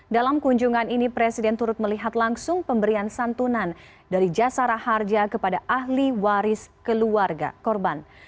dalam kunjungan ini presiden turut melihat langsung pemberian santunan dari jasara harja kepada ahli waris keluarga korban